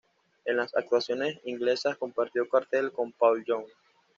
En las actuaciones inglesas compartió cartel con Paul Young.